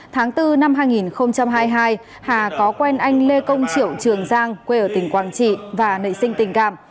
tháng bốn năm hai nghìn hai mươi hai hà có quen anh lê công triệu trường giang quê ở tỉnh quảng trị và nợ sinh tình cảm